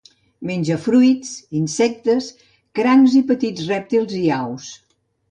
Menja fruits, insectes, crancs i petits rèptils i aus.